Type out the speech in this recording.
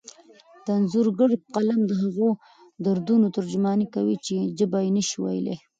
د انځورګر قلم د هغو دردونو ترجماني کوي چې ژبه یې نشي ویلی.